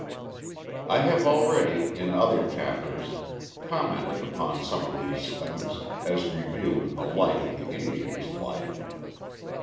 I have already, in other chapters, commented upon some of these things, as revealed in the light of the Indian's life.